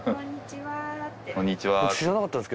こんにちはって。